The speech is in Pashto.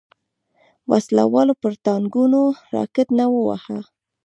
وسله والو پر ټانګونو راکټ نه وواهه.